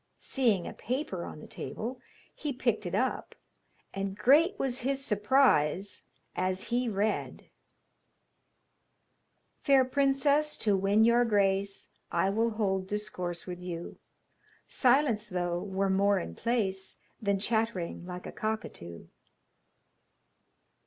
Seeing a paper on the table, he picked it up, and great was his surprise as he read: 'Fair princess, to win your grace, I will hold discourse with you; Silence, though, were more in place Than chatt'ring like a cockatoo.'